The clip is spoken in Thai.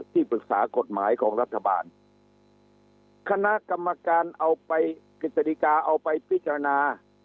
ที่ปรึกษากฎหมายของรัฐบาลคณะกรรมการเอาไปกฤษฎิกาเอาไปพิจารณา